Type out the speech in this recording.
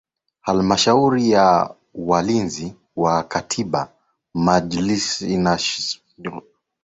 Halmashauri ya Walinzi wa Katiba Majlis inatunga sheria za nchi